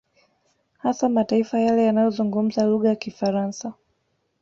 Hasa mataifa yale yanayozungumza lugha ya Kifaransa